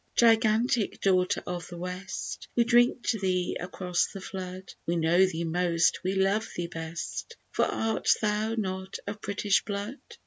Gigantic daughter of the West, We drink to thee across the flood, We know thee most, we love thee best, For art thou not of British blood?